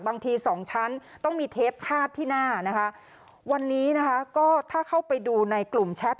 บางที๒ชั้นต้องมีเทปคาดที่หน้าวันนี้ก็ถ้าเข้าไปดูในกลุ่มแชท